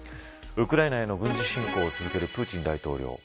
ウクライナへの軍事侵攻を続けるプーチン大統領。